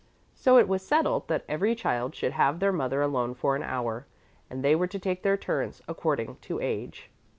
So it was settled that every child should have their mother alone for an hour, and they were to take their turns according to age.